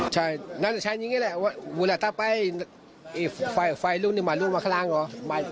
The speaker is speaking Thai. ใช่นั่นจะใช้ยังงี้แหละว่าวานี่ไฟไฟรุ่นมารุงมาข้างล่างเขา